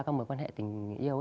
các mối quan hệ tình yêu